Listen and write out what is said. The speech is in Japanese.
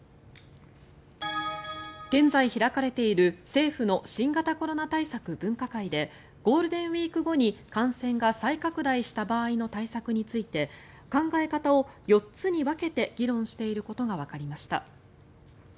現在開かれている政府の新型コロナ対策分科会でゴールデンウィーク後に感染が再拡大した場合の対策について考え方を４つに分けて議論していることがわかりました。